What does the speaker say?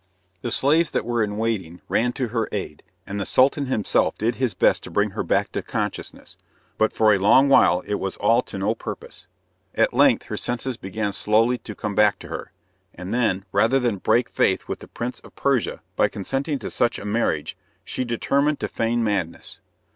The slaves that were in waiting ran to her aid, and the Sultan himself did his best to bring her back to consciousness, but for a long while it was all to no purpose. At length her senses began slowly to come back to her, and then, rather than break faith with the Prince of Persia by consenting to such a marriage, she determined to feign madness.